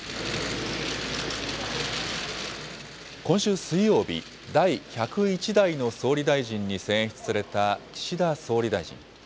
今週水曜日、第１０１代の総理大臣に選出された岸田総理大臣。